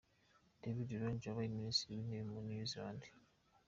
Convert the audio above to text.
David Lange, wabaye Minisitiri w’Intebe wa New Zealand.